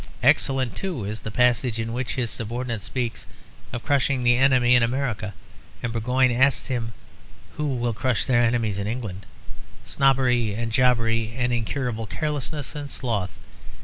Excellent, too, is the passage in which his subordinate speaks of crushing the enemy in America, and Burgoyne asks him who will crush their enemies in England, snobbery and jobbery and incurable carelessness and sloth.